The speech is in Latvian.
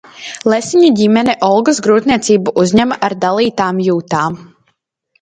Lesiņu ģimene Olgas grūtniecību uzņem ar dalītām jūtām.